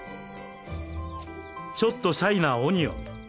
ちょっとシャイなオニオン。